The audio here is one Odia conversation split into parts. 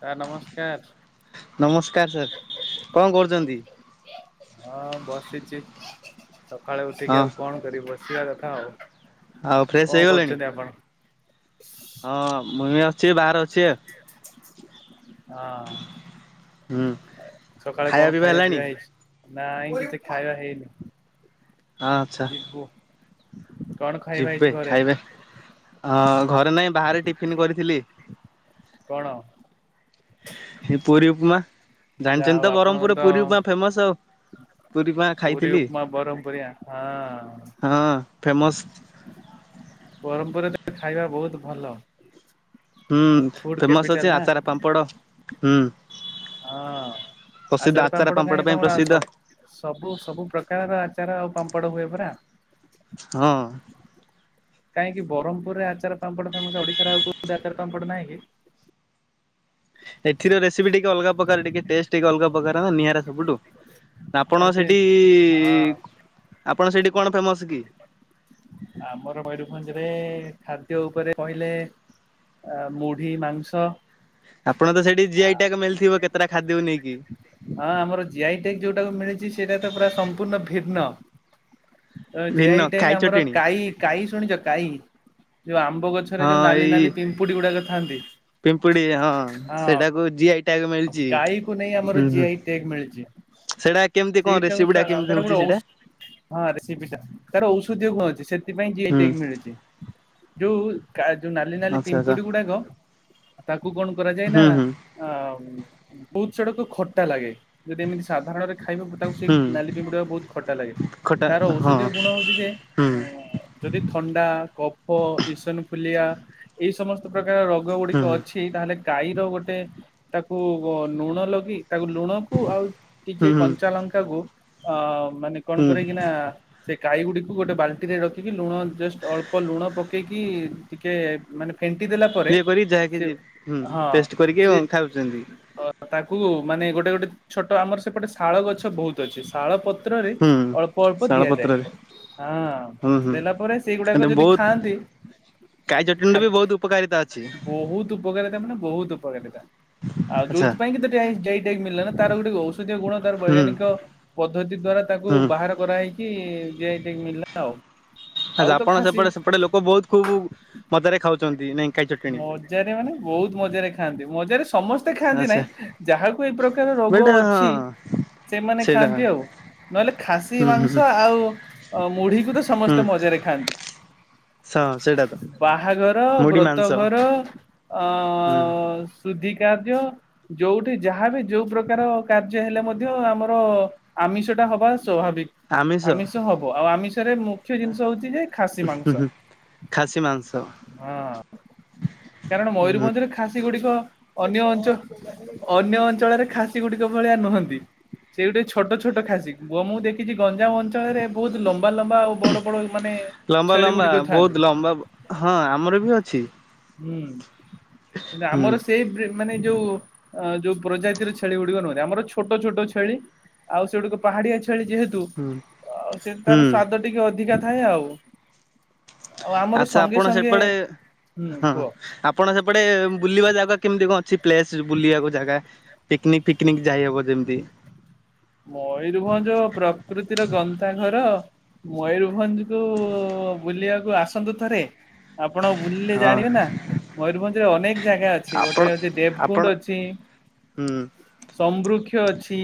ସାର୍ ନମସ୍କାର। ନମସ୍କାର ସାର କଁ କରୁଛନ୍ତି। ହଁ ବସିଛି ସଖାଳୁ ଉଠିକି ହଁ ଆଉ କଣ କରିବି ବସିବା କଥା ଆଉ। ଆଉ କଣ ଫ୍ରେଶ ହେଇଗଲେଣି? କରୁଛନ୍ତି ଆପଣ? ହଁ ମୁଁ ବି ଅଛି ବାହାରେ ଅଛି। ହଁ। ହୁଁ ସଖାଳେ କଣ ଖାଇବା ପିଇବା ହେଇଛି‌ ନାଇଁ କିଛି ଖାଇବା ହେଇନି। ହଁ ଆଚ୍ଛା। ଯିବୁ। କଣ ଖାଇବା ହେଇଛି ଯିବେ ଘରେ? ଖାଇବେ ହଁ ଘରେ ନାଇଁ ବାହାରେ ଟିଫିନ କରିଥିଲି। କଣ? ହେଇ ପୁରୀ ଉପମା ଯାହା ଜାଣିଛନ୍ତି ହଉ ତ ଆପଣ ବରମପୁର ରେ ପୁରୀ ଉପମା ଫେମସ ଆଉ। ପୁରୀ ଉପମା ପୁରୀ ଖାଇଥିଲି ଉପମା ବରମ୍ ପୁରୀଆ ହଁ। ହଁ ଫେମସ। ବରମ୍ ପୁର ରେ ତାହେଲେ ଖାଇବା ବହୁତ ଭଲ। ହୁଁ ଫୁଡ ଫେମସ କ୍ୟାପିଟାଲ ଅଛି ନା ଆଚାର ପାମ୍ପଡ଼ ହୁଁ। ହଁ ପ୍ରସିଦ୍ଧ ଆଚାର ପାମ୍ପଡ ପାମ୍ପଡ଼ କାହିଁକି ପାଇଁ ତମର ଆ ପ୍ରସିଦ୍ଧ ସ ସବୁ ସବୁ ପ୍ରକାରର ଆଚାର ଆଉ ପାମ୍ପଡ ହୁଏ ପରା? ହଁ। କାହିଁକି ବରହମପୁରରେ ଆଚାର ପାମ୍ପଡ଼ ଫେମସ୍ ଓଡିଶାରେ ଆଉ କୋଉଠି ଆଚାର ପାମ୍ପଡ଼ ନାହିଁ କି? ଏଥିରେ ରେସିପି ଟିକେ ଅଲଗା ପ୍ରକାର ଟିକେ ଟେଷ୍ଟ ଟିକେ ଅଲଗା ପ୍ରକାରର ନିଆରା ସବୁଠୁ। ଆପଣ ହଉଛି ସେଠି ହଁ ଆପଣ ସେଠି କଣ ଫେମସ୍ କି? ଆମର ମୟୂରଭଞ୍ଜରେ-ଏ-ଏ ଖାଦ୍ୟ ଉପରେ କହିଲେ ଆ ମୁଢି ମାଂସ। ଆପଣ ତ ସେଠି ଜିଆଇ ଟ୍ୟାଗ୍ ମିଳିଥିବ କେତେଟା ଖାଦ୍ୟକୁ ନେଇକି। ହଁ ଆମର ଜିଆଇ ଟ୍ୟାଗ୍ ଯୋଉଟାକୁ ମିଳିଛି ସେଇଟା ତ ପୁରା ସମ୍ପୂର୍ଣ୍ଣ ଭିନ୍ନ। ତ ଭିନ୍ନ ଜିଆଇ ଟ୍ୟାଗ୍ ଖାଇ ଆମର ଚଟଣୀ। କାଇ କାଇ ଶୁଣିଛ କାଇ, ଯୋଉ ଆମ୍ବ ଗଛରେ ଯୋଉ ହଁ ନାଲି ଏଇ ନାଲି ପିମ୍ପୁଡିଗୁଡାକ ଥାନ୍ତି। ପିମ୍ପୁଡି ହଁ ସେଟାକୁ ଜିଆଇ ଟ୍ୟାଗ ମିଳିଛି। କାଇକୁ ନେଇ ଆମର ହୁଁ ହୁଁ ଜିଆଇ ଟ୍ୟେଗ୍ ମିଳିଛି। ସେଇଟା କେମିତି କଣ ସେଇଟାକୁ ରେସିପି ଟା [unintelligible] କେମିତି ଗୋଟେ ହଉଛି ସେଇଟା? ଔଷ୍ ହଁ ରେସିପିଟା, ତାର ଔଷଧୀୟ ଗୁଣ ଅଛି ସେଥିପାଇଁ ଜିଆଇ ହୁଁ ଟ୍ୟେଗ୍ ମିଳିଛି। ଯୋଉ କା ଯୋଉ ନାଲି ନାଲି ଆଚ୍ଛା ଆଚ୍ଛା ପିମ୍ପୁଡି ଗୁଡାକ, ତାକୁ କଣ କରାଯାଏ ନା ହୁଁ ହୁଁ ଆ-ଆ ଆମ୍ ବହୁତ ସେଗୁଡାକ ଖଟା ଲାଗେ ଯଦି ଏମିତି ସାଧାରଣରେ ଖାଇବାକୁ ତାକୁ ସେଇ ହୁଁ ନାଲି ପିମ୍ପୁଡିଗୁଡା ବହୁତ ଖଟା ଲାଗେ, ଖଟା ତାର ହଁ ଔଷଧୀୟ ଗୁଣ ହଉଛି ଯେ ହୁଁ ହୁଁ ଉଁ-ଉଁ-ଉଁ ଯଦି ଥଣ୍ଡା, କଫ, ଇସନଫୁଲିଆ ଏଇ ସମସ୍ତ ପ୍ରକାର ରୋଗଗୁଡିକ ହୁଁ। ଅଛି ତାହେଲେ କାଇର ଗୋଟେ ତାକୁ ନୁଣ ଲଗେଇ ତାକୁ ଲୁଣ କୁ ଆଉ ହୁଁ ଟିକେ ହୁଁ କଞ୍ଚା ଲଙ୍କାକୁ ଅ ମାନେ କଣ ହୁଁ କରିକିିନା ସେ କାଇଗୁଡିକୁ ଗୋଟେ ବାଲଟିରେ ରଖିକି ଲୁଣ ଜଷ୍ଟ ଅଳ୍ପ ଲୁଣ ପକେଇକି ଟିକେ ମାନେ ଫେଣ୍ଟି ଦେଲା ପ ଏ କରି ଯାହାକି ହୁଁ ଟେଷ୍ଟ କରିକି ସିଏ ଅଁ ଖାଉଛନ୍ତି। ଅ ତାକୁ ମାନେ ଗୋଟେ-ଗୋଟେ ଛୋଟ ଆମର ସେପଟେ ଶାଳ ଗଛ ବହୁତ୍। ଅଛି, ଶାଳ ପତ୍ରରେ ହୁଁ ଅଳ୍ପ-ଅଳ୍ପ ଶାଳ ଦିଆଯାଏ। ପତ୍ରରେ ହଁଅ, ହୁଁ ହୁଁ ଦେଲା ପରେ ଏ ସେଇଗୁଡାକ ଯଦି ବହୁତ ଖାଆନ୍ତି କାଇ ଚଟଣୀରେ ବି ଖାଦ୍ ବହୁତ ଉପକାରିତା ଅଛି ବହୁତ ଉପକାରିତା ମାନେ ବହୁତ ଉପକାରିତା। ଆଉ ଆଚ୍ଛା ଯୋଉଥିପାଇଁକି ତ [unintelligible] ଜିଆଇ ଟ୍ୟାଗ୍ ମିିଳିଲା ନା ତାର ଗୋଟେ ଔଷଧୀୟ ଗୁଣ ତାର ହୁଁ ବୈଜ୍ଞାନିକ ପଦ୍ଧତି ଦ୍ଵାରା ତାକୁ ହୁଁ। ବାହାର କରାହେଇକି ଜିଆଇ ଟ୍ୟାଗ୍ ମିିଳିଲା। ଆଛା ଆପଣ ସେପଟେ ସେପଟେ ଲୋକ ବହୁତ୍ ଖୁବ ମଜାରେ ଖାଉଛନ୍ତି ନାଇଁ? କାଇ ଚଟଣି ମଜାରେ ମାନେ ବହୁତ ମଜାରେ ଖାଆନ୍ତି ମଜାରେ ସମସ୍ତେ ଖାଆନ୍ତି ଆଚ୍ଛା ନାହିଁ ଯାହାକୁ ଏଇ ପ୍ରକାର ବଟ ରୋଗ ଅଛି ହଁ ସେମାନେ ସେଇଟା ଖାଆନ୍ତି ଆଉ, ନହେଲେ ଖାସି ହୁଁ ହୁଁ ହୁଁ ମାଂସ ଆଉ ମୁଢିକୁ ତ ସମସ୍ତେ ମଜାରେ ଖାଆନ୍ତି। ହ ସଁ ସେଇଟା ତ। ବାହାଘର, ମୁଢି ମାଂସ ବ୍ରତଘର, ହୁଁ ଅଁ-ଅଁ-ଅଁ ସୁଧି କାର୍ଯ୍ୟ ଯୋଉଠି ଯାହାବି ଯୋଉ ପ୍ରକାରର କାର୍ଯ୍ୟ ହେଲେ ମଧ୍ୟ ଆମର ଆମିଷଟା ହବା ସ୍ୱାଭାବିକ। ଆମିଷ ହବ ଆଉ ଆମିଷରେ ମୁଖ୍ୟ ଜିନିଷ ହଉଛି ଯେ ଖାସି ହୁଁ ମାଂସ। ହୁଁ ଖାସି ମାଂସ। ହଁ କାରଣ ହୁଁ ମୟୂରଭଞ୍ଜରେ ଖାସି ଗୁଡିକ ଅନ୍ୟ ଅଞ୍ଚ ଅନ୍ୟ ଅଞ୍ଚଳରେ ଖାସି ଗୁଡିକ ଭଳିଆ ନୁହନ୍ତି। ସେଇ ଗୋଟେ ଛୋଟ ଛୋଟ ଖାସି ପୁଅ ମୁଁ ଦେଖିଛି ଗଞ୍ଜାମ ଅଞ୍ଚ ଳରେ ବହୁତ ଲମ୍ବା ଲମ୍ବା ଆଉ ବଡ ବଡ ମାନେ ଲମ୍ବା ଛେଳି ଲମ୍ବା ଗୁଡିକ ଥାଆନ୍ତି ବହୁତ ଲମ୍ବା ହଁ ଆମର ବି ଅଛି। ହୁଁ କିନ୍ତୁ ହୁଁ ଆମର ସେଇ ମାନେ ଯୋଉ ଯୋଉ ପ୍ରଜାତିର ଛେଳି ଗୁଡିକ ନୁହଁନ୍ତି ଆମର ଛୋଟ ଛୋଟ ଛେଳି। ଆଉ ସେଗୁଡିକ ପାହାଡିଆ ଛେଳି ଯେହୁତ ତୁ ହୁଁ ଆଉ ସେ ତାର ହୁଁ ସ୍ଵାଦ ଟିକେ ଅଧିକା ଥାଏ ଆଉ। ଆଉ ଆମର ଆଚ୍ଛା ସଙ୍ଗେ ଆପଣ ସଙ୍ଗେ ସେପଟେ ହୁଁ ହଁ କୁହ। ଆପଣ ସେପଟେ ବୁଲିବା ଜାଗା କେମିତି କଣ ଅଛି ପ୍ଲେସ ବୁଲିବାକୁ ଜାଗା ପିକ୍ନିକ ଫିକ୍ନିକ୍ ଯାଇହବ ଯେମିତି। ମୟରଭଞ୍ଜ ପ୍ରକୃତିର ଗନ୍ତାଘର ମୟୂରଭଞ୍ଜ ତୁ ବୁଲିବାକୁ ଆସନ୍ତୁ ଥରେ ଆପଣ ବୁଲିଲେ ହଁ ଜାଣିବେ ନା ମୟୂରଭଞ୍ଜରେ ଅନେକ ଜାଗା ଅଛି ଆପଣ ଗୋଟେ ଅଛି ଆପଣ ଦେବକୁଣ୍ଡ ଅଛି। ହୁଁ ସମ୍ବୃକ୍ଷ ଅଛି।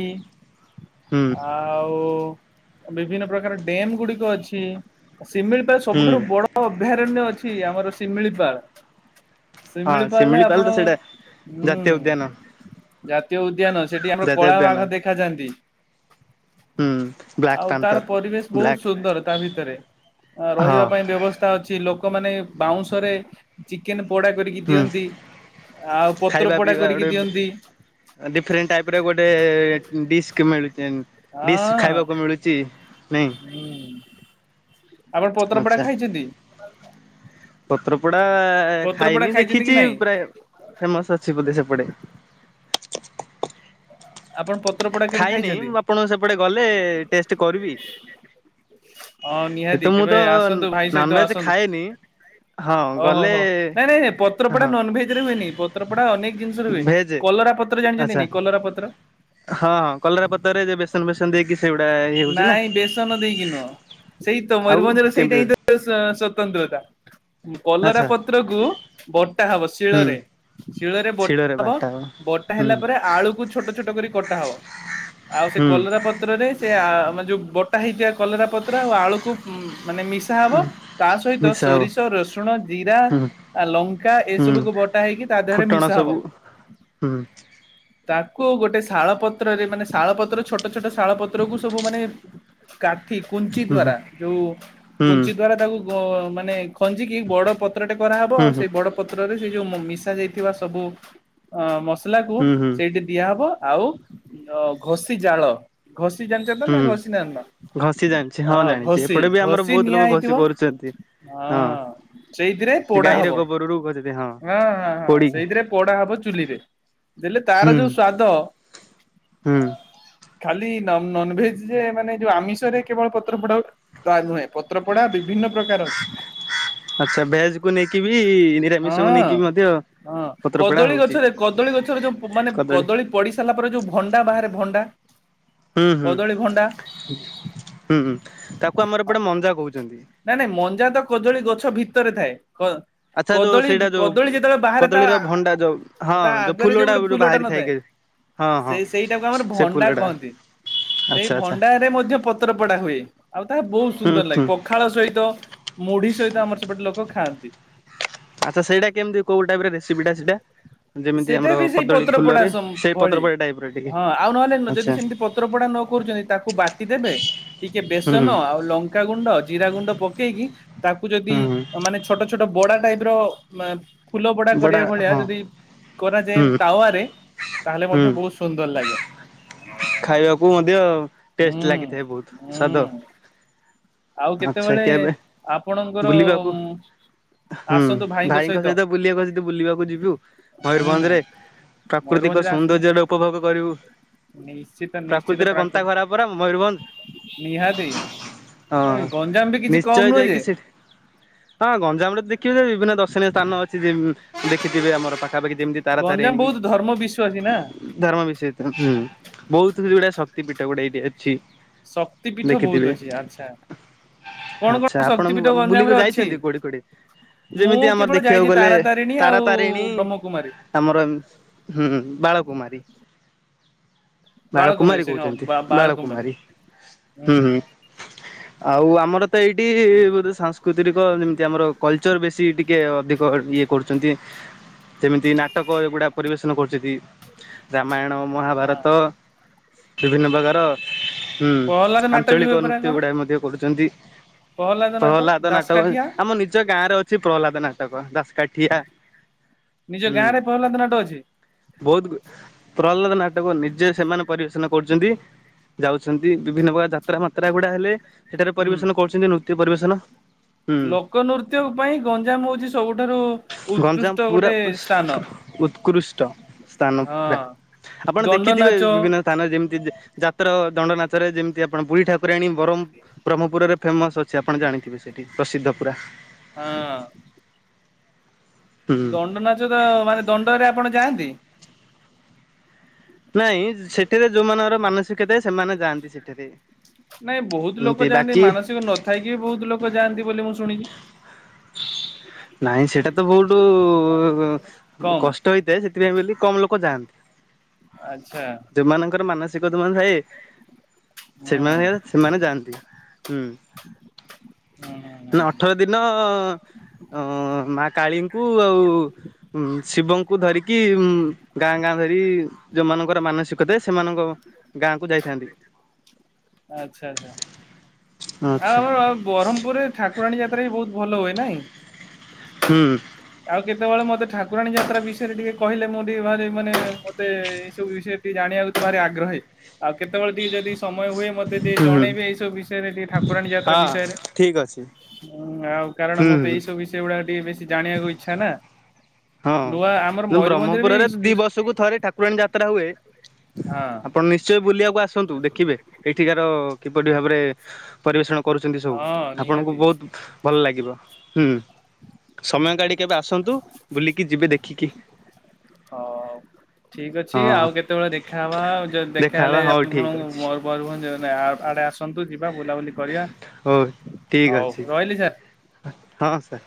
ହୁଁ ଆଉ ବିଭିନ୍ନ ପ୍ରକାର ଡେମ୍ ଗୁଡିକ ଅଛି। ଶିମିଳିପାଳ ହୁଁ ସବୁଠାରୁ ବଡ ହଁ ଅଭୟାରଣ୍ୟ ଅଛି ଆମର ଶିମିଳିପାଳ। ହଁ ସିମିଳିପାଳ ରେ ଶିମିଳିପାଳ ତ ଆପଣ ସେଇଟା ହୁଁ ଜାତୀୟ ଉଦ୍ୟାନ ଜାତୀୟ ଉଦ୍ୟାନ ସେଠି ଆମର ଜାତୀୟ କଳା ଉଦ୍ୟାନ। ବାଘ ଦେଖାଯାଆନ୍ତି। ହୁଁ। ବ୍ଲାକ୍ ଆଉ ତାର ପାନ୍ଥର ପରିବେଶ ବହୁତ ବ୍ଲାକ୍ ସୁନ୍ଦର ତା ଭିତରେ ରହିବା ହଁ ପାଇଁ ବ୍ୟବ ସ୍ତା ଅଛି ଲୋକମାନେ ବାଉଁଶରେ ଚିକେନ ପୋଡା କରିକି ହୁଁ ଦିଅନ୍ତି। ଆଉ ପତ୍ର ଖାଇବା ପୋଡା ପିଇବା କରିକି ଗୋଟେ ଦିଅନ୍ତି। ଡିଫରେଣ୍ଟ ଟାଇପ ର ଗୋଟେ ଡିସ୍କ ମିଳୁ ଦେନ ଡିସ୍ ହଁ। ଖାଇବାକୁ ମିଳୁଛି ନାଇଁ। ହୁଁ ଆପଣ ପତ୍ରପଡା ଖାଇଛନ୍ତି? ପତ୍ରପଡା ପତ୍ରପୋଡା ଖାଇନି ଖାଇଛନ୍ତି କି ଦେଖିଛି ନାଇଁ ପ୍ରାୟ। ଫେମସ୍ ଅଛି ବୋଲି ସେପଟେ ଆପଣ ପତ୍ରପଡା କେବେ ଖାଇନି ଖାଇଛନ୍ତି? ମୁଁ ଆପଣଙ୍କ ସେପଟେ ଗଲେ ଟେଷ୍ଟ କରିବି। [inaudible] ହଁ ଏତ ନିହାତି ମୁଁ ତ କେବେ ଆସନ୍ତୁ ଭାଇ ସହିତ ନନଭେଜ ଆସନ୍ତୁ। ଖାଏନି ହଁ ଓହୋ ଗଲେ ହୋ ନାଇଁ ନାଇଁ ହଁ ପତ୍ରପଡା ନନ ଭେଜରେ ହୁଏନି ପତ୍ରପଡା ଅନେକ ଜିନିଷ ର ହୁଏ। ଭେଜ କଲରା ପତ୍ର ଜାଣିଛନ୍ତି ନାଇ କଲରା ପତ୍ର? ହଁ ହଁ କଲରା ପତ ରେ ଯେ ବେସନ ବେସନ ଦେଇକି ସେଇଗୁଡା ଇଏ ହଉଛି ନା। ସେଇତ ଆଉ ମୟୂରଭଞ୍ଜର ସେଇଟା ହିଁ କେମିତି ତ ସ ସ୍ଵତନ୍ତ୍ରତା କଲରା ଆଚ୍ଛା ପ ତ୍ରକୁ ବଟା ହବ ଶିଳରେ। ହୁଁ ଶିଳରେ ବ ହବ ବଟା ହୁଁ ହେଲା ପରେ ଆଳୁକୁ ଛୋଟ ଛୋଟ କରି କଟା ହବ ଆଉ ସେ ହୁଁ କଲରା ପତ୍ରରେ ସେ ଯୋଉ ବଟା ହେଇଥିବା କଲରା ପତ୍ର ଆଉ ଆଳୁକୁ ମାନେ ମିସ୍ ଧା ହବ ତା ସହିତ ମିଶା ହବ ସୋରିଷ, ରସୁଣ, ଜିରା ହୁଁ ଆ ଲଙ୍କା ହୁଁ ଏସବୁକୁ ବଟା ହେଇକି ତା ଦେହରେ ଫୁଟଣ ମିଶା ସବୁ ହବ। ହୁଁ। ତାକୁ ଗୋଟେ ଶାଳ ପତ୍ରରେ ମାନେ ଶାଳ ପତ୍ର ଛୋଟ ଛୋଟ ଶାଳ ପତ୍ର କୁ ସବୁ ମାନେ କାଠି କୁଞ୍ଚି ହୁଁ ହୁଁ ଦ୍ଵାରା ଯୋଉ ହୁଁ କୁଞ୍ଚି ଦ୍ଵାରା ଯୋଉ କୁଞ୍ଚି ତାକୁ ଗ ମାନେ ଖଞ୍ଜି କି ବଡ ପତ୍ରଟେ କରାହେବ ହୁଁ ଆଉ ହୁଁ ସେଇ ବଡ ପତ୍ରରେ ସେ ଯୋଉ ମିଶା ଯାଇଥିବା ସବୁ ଅ ମସଲାକୁ ହୁଁ ସେଇଠି ଦିଆହେବ ଆଉ ଘଷି ଜାଳ ଘଷି ଜାଣିଛ ତ ହୁଁ ନା ହୁଁ ଘଷି ଯା ନ ଘଷି ଜାଣିଛି ହଁ ଜାଣିଛି ଘଷି ଏପଟେ ବି ଆମର ଘଷି ବହୁତ ନିଆଁ ଲୋକ ଘଷି ହେଇଥିବ। କରୁଛନ୍ତି। ହଁ ସେଇଥିରେ ଗାଈର ପୋଡାହବ ଗୋବରରୁ ଘଷିନ୍ତି ହଁ ହଁ ହଁ ପୋଡିକି ସେଇଥିରେ ପୋଡାହବ ଚୁ ଚୁଲିରେ ହେଲେ ହୁଁ ତାର ଯୋଉ ସ୍ଵାଦ। ହୁଁ ଖାଲି ନନ ନନଭେଜ ଯେ ମାନେ ଯୋଉ ଆମିଷରେ କେବଳ ପତ୍ର ପୋଡା ନା ତା ନୁହେଁ ପତ୍ର ପୋଡା ବିଭିନ୍ନ ପ୍ରକାର ଅଛି। ଆଚ୍ଛା ଭେଜକୁୁ ନେଇକିିବି ନିରାମିଷକୁ ହଁ। ନେଇକି ମଧ୍ୟ ହଁ ପତ୍ରପୋଡା କଦଳୀ ହଉଛି ଗଛରେ କଦଳୀ ଗଛରେ ଯୋଉ ମାନେ କଦଳୀ ପଡି ସାରିଲା ପରେ ଯୋଉ ଭଣ୍ଡା ବାହାରେ ଭଣ୍ଡା ହୁଁ କଦଳୀ ଭଣ୍ଡା ହୁଁ ହୁଁ ତାକୁ ଆମର ଏପଟେ ମଞ୍ଜା କହୁଛନ୍ତି। ନାଇଁ ନାଇଁ ମଞ୍ଜା ତ କଦଳୀ ଗଛ ଭିତରେ ଥାଏ। ଆଚ୍ଛା ଯୋଉ କଦଳୀ ସେଇଟା ଯୋଉ କଦଳୀ ଯେତେବେଳେ ବାହାରେ ତା କଦଳୀର ଭଣ୍ଡା ଯୋଉ ହଁ ତା ଆଗରେ ଯୋଉ ଗୋଟେ ଫୁଲଟା ବାହାରି ନ ଥାଏ କି ହଁ ହଁ ସେଇ ସେଇଟାକୁ ଆମର ସେ ଭଣ୍ଡା ଫୁଲଟା କହନ୍ତି। ସେଇ ଆଚ୍ଛା ଆଚ୍ଛା ଭଣ୍ଡାରେ ମଧ୍ୟ ପତ୍ର ପଡା ହୁଏ ଆଉ ତାହା ବହୁତ ହୁଁ ସୁନ୍ଦର ଲାଗେ। ହୁଁ ପଖାଳ ସହିତ ମୁଢି ସହିତ ଆମର ସେପଟେ ଲୋକ ଖାଆନ୍ତି। ଆଛା ସେଟା କେମିତି କୋଉ ଟାଇପର ରେସିପିଟା ସେଟା ସେଇଟା ବି ସେଇ ପତ୍ରପୋଡା ସେଇ ଭଳି ପତ୍ରପୋଡ଼ା ଟାଇପର ଟିକେ ହଁ ଆଉ ନହେଲେ ଯଦି ଆଚ୍ଛା ସେମିତି ପତ୍ରପୋଡା ନ କରୁଛନ୍ତି। ତାକୁ ବାଟି ଦେବେ ଟିକେ ହୁଁ ବେସନ ଆଉ ଲଙ୍କାଗୁଣ୍ଡ ଜିରା ଗୁଣ୍ଡ ପକେଇକି। ତାକୁ ଯଦି ହୁଁ ହୁଁ ମାନେ ଛୋଟ ଛୋଟ ବଡା ଟାଇପର ଫୁଲ ବଡା ବଡ଼ା କରିବା ଭଳିଆ ହଁ ଯଦି। କରାଯାଏ ହୁଁ ତାୱାରେ ତାହେଲେ ହୁଁ ମଧ୍ୟ ବହୁତ ସୁନ୍ଦର ଲାଗେ। ଖାଇବାକୁ ମଧ୍ୟ ହୁଁ। ଟେଷ୍ଟ ଲାଗିଥାଏ ବହୁତ ହୁଁ ସ୍ଵାଦ। ଆଉ ଆଛା କେତେବେଳେ କେବେ ଆପଣଙ୍କର ବୁଲିବାକୁ ହୁଁ ଭାଇଙ୍କ ସହିତ ବୁଲିବାକୁ ଯଦି ବୁଲିବାକୁ ଯିବୁ ହୁଁ ମୟୂରଭଞ୍ଜରେ। ପ୍ରାକୃତିକ ମୟୂରଭଞ୍ଜରେ ଆସିଲେ ସୌନ୍ଦର୍ଯ୍ୟର ଉପଭୋଗ କରିବୁ। ନିଶ୍ଚିତ ନିଶ୍ଚିତ ପ୍ରାକୃତିର ଗନ୍ତା ପ୍ରାକୃ ଘରା ପରା ମୟୂରଭଞ୍ଜ ହଁ। ନିହାତି। ଗଞ୍ଜାମ ବି କିଛି ନିଶ୍ଚୟ କମ ନୁହେଁ ଯାଇକି ଯେ? ସେଠି ହଁ ଗଞ୍ଜାମରେ ଦେଖିବେ ବିଭିନ୍ନ ଦର୍ଶନୀୟ ସ୍ଥାନ ଅଛି ଦେଖିଥିବେ ଆମର ପାଖାପାଖି। ଯେମିତି ଗଞ୍ଜାମ ତାରାତାରିଣୀ। ବହୁତ ଧର୍ମ ବିଶ୍ଵାସୀ ନା। ଧର୍ମ ବିଷୟରେ ତ ହୁଁ ବହୁତ କିଛି ଗୁଡା ଶକ୍ତି ପୀଠ ଗୋଟେ ଏଇଠି ଅଛି। ଶକ୍ତି ପୀଠ ବହୁତ ଦେଖିଥିବେ। ଅଛି ଆଚ୍ଛା। କଣ କଣ ଆଚ୍ଛା ଆପଣ ଶକ୍ତି ପୀଠ ଗଞ୍ଜାମ ବୁଲିକି ରେ ଅଛି? ଯାଇଛନ୍ତି କୁଆଡେ଼ କୁଆଡେ଼? ମୁଁ ଯେମିତି ଆମର କେବଳ ଯାଇଛି ଦେଖିବାକୁ ଗଲେ ତାରା ତାରିଣୀ ଆଉ ତାରାତାରିଣୀ। ବ୍ରହ୍ମକୁମାରୀ। ଆମର ହୁଁ ବାଳକୁମାରୀ। ବାଳକୁମାରୀ କହୁଛନ୍ତି ବାଳକୁମାରୀ ହୁଁ ହୁଁ। ଆଉ ଆମର ତ ଏଇଠି ବୋଧେ ସାଂସ୍କୃତିକ ଯେମିତି ଆମର କଲ୍ ଚର ବେଶୀ ଟିକେ ଅଧିକ ଇଏ କରୁଛନ୍ତି। ସେମିତି ନାଟକ ଏଗୁଡା ପରିବେଷଣ କରୁଛନ୍ତି। ରାମାୟଣ ହଁ। ମହାଭାରତ ବିଭିନ୍ନ ପ୍ରକାର। ହୁଁ ପ୍ରହ୍ଲାଦ ନାଟ ବି ହୁଏ ଆଞ୍ଚଳିକ ପରା ନୃତ୍ୟ କଣ ଗୁଡା ମଧ୍ୟ କରୁଛନ୍ତି। ନାଟ ପ୍ରହ୍ଲାଦ ନାଟକ ଦାସକାଠିଆ ଆମ ନିଜ ଗାଁରେ ଅଛି ପ୍ରହ୍ଲାଦ ନାଟକ ଦାସକାଠିଆ। ନିଜ ହୁଁ। ଗାଁରେ ପହଲାନ୍ତ ନାଟ ଅଛି। ବହୁତ ପ୍ରହ୍ଲାଦ ନାଟକ ନିଜେ ସେମାନେ ପରିବେଷଣ କରୁଛନ୍ତି। ଯାଉଛନ୍ତି ବିଭିନ୍ନ ପ୍ରକାର ଯାତ୍ରା ମାତ୍ରା ଗୁଡା ହେଲେ ସେଠାରେ ହୁଁ ପରିବେଷନ କରୁଛନ୍ତି ନୃତ୍ୟ ପରିବେଷନ। ଲୋକ ନୃତ୍ୟ ପାଇଁ ଗଞ୍ଜାମ ହଉଛି ସବୁଠାରୁ ଗଞ୍ଜାମ ଉତ୍କୃଷ୍ଟ ପୁରା ଗୋଟେ ସ୍ଥାନ। ଉତ୍କୃଷ୍ଟ ସ୍ଥାନ ପୁରା ହଁ ଆପଣ ଦଣ୍ଡ ଦେଖିଥିବେ ନାଚ ବିଭିନ୍ନ ସ୍ଥାନ ଯେମିତି ଯାତ୍ର ଦଣ୍ଡ ନାଚରେ ଯେମିତି ଆପଣ ବୁଢୀ ଠାକୁରାଣୀ ବରମ ବ୍ରହ୍ମପୁରରେ ଫେମସ୍ ଅଛି ଆପଣ ଜାଣିଥିବେ ସେଇଠି ପ୍ରସିଦ୍ଧ ପୁରା। ହଁ। ହୁଁ। ଦଣ୍ଡନାଚ ତ ମାନେ ଦଣ୍ଡରେ ଆପଣ ଯାଆନ୍ତି? ନାଇଁ ସେଠିରେ ଯୋଉମାନଙ୍କର ମାନସିକ ଥାଏ ସେମାନେ ଯାଆନ୍ତି ସେଠାରେ। ନାଇଁ ବହୁତ୍ ଲୋକ ଏମିତି ଯାଆନ୍ତି ବାକି ମାନସିକ ନଥାଇକି ବି ବହୁତ୍ ଲୋକ ଯାଆନ୍ତି ବୋଲି ମୁଁ ଶୁଣିଚି। ହ। ନାଇଁ ସେଇଟା ତ ବହୁଟୁ କମ୍ କଷ୍ଟ ହେଇଥାଏ ସେଥିପାଇଁ ବେଲି କମ୍ ଲୋକ ଯାଆନ୍ତି। ଆଚ୍ଛା। ଯୋଉମାନଙ୍କର ମାନସିକ [unintelligible] ଥାଏ ହୁଁ ସେମାନେ ସେମାନେ ଯାଆନ୍ତି ହୁଁ, ହୁଁ ହୁଁ ହୁଁ। ନା ଅଠର ଦିନ ଅଁ ମା କାଳୀଙ୍କୁ ଆଉ ଉଁ ଶିବଙ୍କୁ ଧରିକି ଉଁ ଗାଁ-ଗାଁ ଧରି ଯୋଉମାନଙ୍କର ମାନସିକ ଥାଏ, ସେମାନଙ୍କ ଗାଁ କୁ ଯାଇଥାନ୍ତି। ଆଚ୍ଛା-ଆଚ୍ଛା। ଆଉ ଆଚ୍ଛା ଆମର ବ୍ରହ୍ମପୁରରେ ଠାକୁରାଣୀ ଯାତ୍ରା ବି ବହୁତ୍ ଭଲ ହୁଏ ନାଇଁ? ହୁଁ। ଆଉ କେତବଳେ ମତେ ଠାକୁରାଣୀ ଯାତ୍ରା ବିଷୟରେ ଟିକେ କହିଲେ ମୁଁ ଟିକେ ଭାରି ମାନେ ମତେ ଏଇ ସବୁ ବିଷୟରେ ଟିକେ ଜାଣିବାକୁ ତ ଭାର ଆଗ୍ରହୀ, ଆଉ କେତବଳେ ଟିକେ ଯଦି ସମୟ ହୁଏ ମତେ ଟିକେ ହୁଁ ହୁଁ ଜଣେଇବେ ଏଇ ସବୁ ବିଷୟରେ ଟିକେ ଠାକୁରାଣୀ ଯାତ୍ରା ହଁ ବିଷୟରେ। ଠିକ୍ ଅଛି। ହୁଁ ଆଉ କାରଣ ହୁଁ ମତେ ହୁଁ ଏଇ ସବୁ ବିଷୟ ଗୁଡାକ ଟିକେ ବେଶୀ ଜାଣିବାକୁ ଇଚ୍ଛା ନା। ନୂଆ ଆମର ହଁ ମୟୂରଭଞ୍ଜରେ ବି ବ୍ରହ୍ମପୁରରେ ଦି ସ୍ପିସ୍ ବର୍ଷକୁ ଥରେ ଠାକୁରାଣୀ ଯାତ୍ରା ହୁଏ। ହଁ। ଆପଣ ନିଶ୍ଚୟ ବୁଲିବାକୁ ଆସନ୍ତୁ ଦେଖିବେ ଏଇଠିକାର କିପରି ଭାବରେ ପରିବେଷଣ କରୁଚନ୍ତି ସବୁ, ହଁ ଆପଣଙ୍କୁ ନିହାତି ବହୁତ୍ ଭଲ ଲାଗିବ, ସମୟ କାଢି କେବେ ଆସନ୍ତୁ ବୁଲିକି ଯିବେ ଦେଖିକି। ହଁ। ଠିକ୍ ଅଛି ହଁ ଆଉ କେତବଳେ ଦେଖାହବା ଆଉ ଯଦି ଦେଖାହେଲେ ଦେଖାହବା ହଉ ଠିକ ଆପଣଙ୍କୁ ଅଛି ମୟୁ ମୟୂରଭଞ୍ଜ ଆଡେ ଆସନ୍ତୁ ଯିବା ବୁଲାବୁଲି କରିବା, ହଉ ଠିକ ହଉ ଅଛି ରହିଲି ସାର୍। ହଁ ସାର୍।